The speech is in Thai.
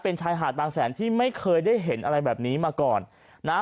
เป็นชายหาดบางแสนที่ไม่เคยได้เห็นอะไรแบบนี้มาก่อนนะฮะ